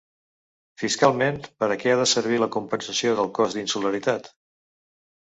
Fiscalment, per a què ha de servir la compensació del cost d’insularitat?